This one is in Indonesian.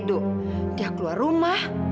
bu laras udah